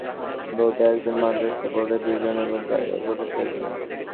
বহিষ্কৃত শিক্ষার্থীদের মধ্যে যশোর বোর্ডে একজন, মাদ্রাসা বোর্ডে দুজন এবং কারিগরি বোর্ডে ছয়জন।